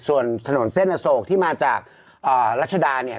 ส่วนถนนเส้นอโศกที่มาจากรัชดาเนี่ย